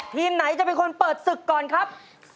ทีมไหนจะเป็นคนเปิดศึกก่อนครับ